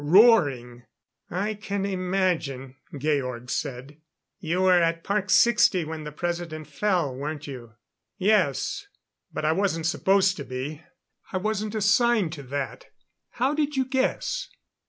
Roaring." "I can imagine," Georg said. "You were at Park Sixty when the President fell, weren't you?" "Yes. But I wasn't supposed to be. I wasn't assigned to that. How did you guess?"